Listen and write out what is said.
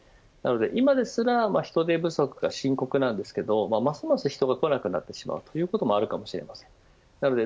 今ですら人手不足が深刻なんですけどますます人が来なくなってしまうということもあるかもしれません。